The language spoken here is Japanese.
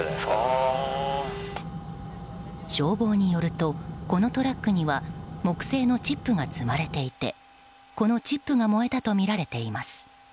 消防によるとこのトラックには木製のチップが積まれていてこのチップが燃えたとみられています。